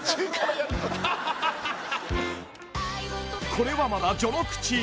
［これはまだ序の口］